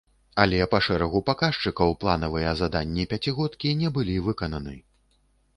Але па шэрагу паказчыкаў планавыя заданні пяцігодкі не былі выкананы.